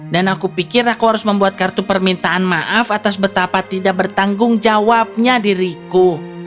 dan aku pikir aku harus membuat kartu permintaan maaf atas betapa tidak bertanggung jawabnya diriku